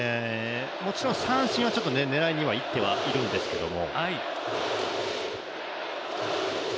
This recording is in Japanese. もちろん三振は狙いにはいってはいるんですけれども。